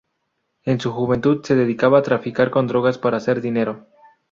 En su juventud se dedicaba a traficar con drogas para hacer dinero.